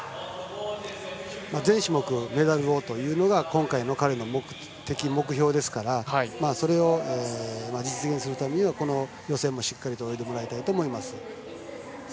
全種目メダルをというのが今回の彼の目標なのでそれを実現するためには予選もしっかりと泳いでもらいたいと思います。